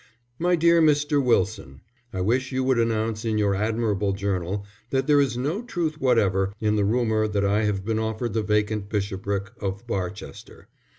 MY DEAR MR. WILSON, _I wish you would announce in your admirable Journal that there is no truth whatever in the rumour that I have been offered the vacant bishopric of Barchester.